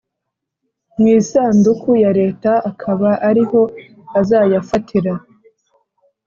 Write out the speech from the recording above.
mu isanduku ya Leta akaba ari ho azayafatira